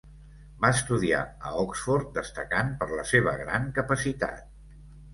Va estudiar a Oxford destacant per la seva gran capacitat.